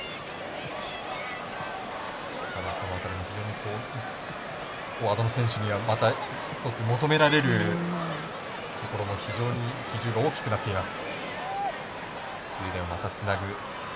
その辺り、非常にフォワードの選手には求められるところも非常に比重が大きくなっていきます。